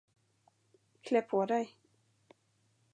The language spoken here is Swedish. Klä på dig.